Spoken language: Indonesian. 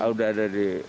udah ada di